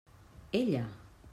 Ella!